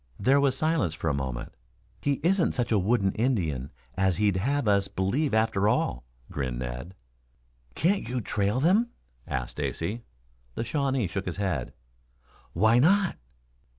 There was silence for a moment. "He isn't such a wooden Indian as he'd have us believe after all," grinned Ned. "Can't you trail them?" asked Stacy. The Shawnee shook his head. "Why not?"